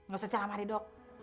gak usah celamah nih dok